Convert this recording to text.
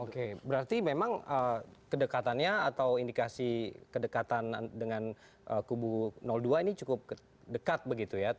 oke berarti memang kedekatannya atau indikasi kedekatan dengan kubu dua ini cukup dekat begitu ya